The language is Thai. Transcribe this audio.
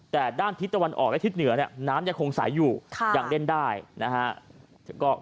แต่ด้านทิศตะวันออกและทิศเหนือเนี่ยน้ำยังคงใสอยู่ยังเล่นได้นะฮะ